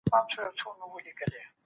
تمدنونه هم لکه انسانان عمر لري.